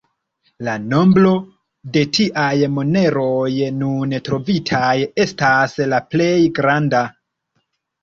La nombro de tiaj moneroj nun trovitaj estas la plej granda.